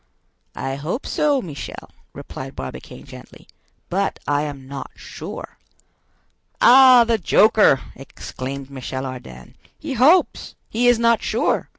"I hope so, Michel," replied Barbicane gently, "but I am not sure." "Ah, the joker!" exclaimed Michel Ardan. "He hopes!—He is not sure!